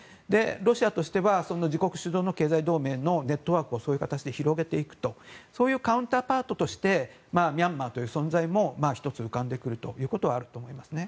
ロシアとしては自国主導の経済同盟のネットワークをそういう形で広げていくというカウンターパートとしてミャンマーという存在も１つ、浮かんでくるというのはあると思いますね。